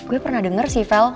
gue pernah denger sih vel